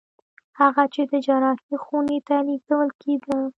هغه چې د جراحي خونې ته لېږدول کېده